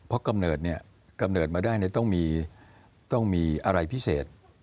ก็กำเนิดเนี่ยกำเนิดมาได้เนี่ยต้องมีต้องมีอะไรพิเศษ